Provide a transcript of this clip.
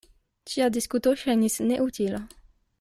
Ĉia diskuto ŝajnis neutila.